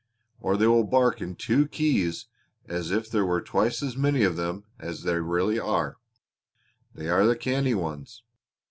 Or they will bark in two keys as if there were twice as many of them as there really are. They are the canny ones!